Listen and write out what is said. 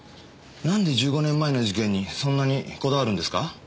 なんで１５年前の事件にそんなにこだわるんですか？